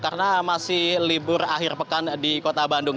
karena masih libur akhir pekan di kota bandung